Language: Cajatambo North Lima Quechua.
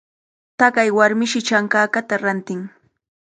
Taqay warmishi chankakata rantin.